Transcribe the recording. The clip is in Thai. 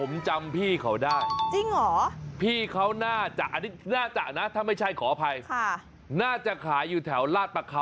บ่อยนะเราก